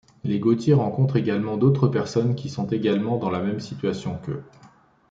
Les Gauthier rencontrent également d'autres personnes qui sont également dans la même situation qu'eux.